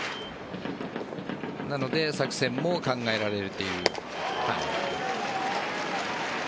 なので作戦も考えられるという。